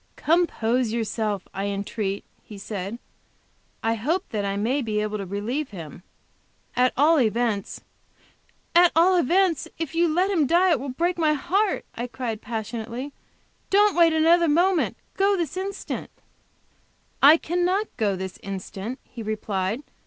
"Compose yourself, I entreat," he said; "I hope that I may be able to relieve him. At all events " "At all events, if you let him die it will break my heart," I cried passionately. "Don't wait another moment; go this instant." "I cannot go this instant," he replied.